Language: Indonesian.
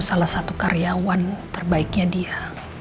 salah satu karyawan terbaiknya dia